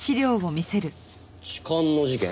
痴漢の事件？